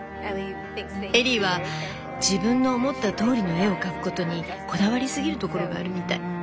エリーは自分の思ったとおりの絵を描くことにこだわり過ぎるところがあるみたい。